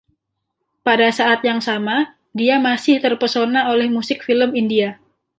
Pada saat yang sama, dia masih terpesona oleh musik film India.